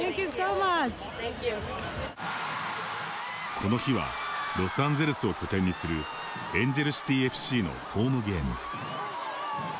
この日はロサンゼルスを拠点にするエンジェルシティーＦＣのホームゲーム。